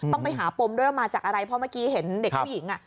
ต้องไปหาปมด้วยว่ามาจากอะไรเพราะเมื่อกี้เห็นเด็กผู้หญิง